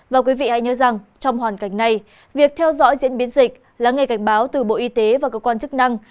và quý vị hãy nhớ rằng trong hoàn cảnh này việc theo dõi diễn biến dịch là ngay cảnh báo từ bộ y tế và cơ quan chức năng